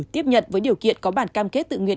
tiếp nhận với điều kiện có bản cam kết tự nguyện